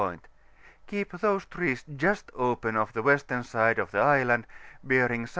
point : keep these trees just open of the western side of the island, bearing S.S.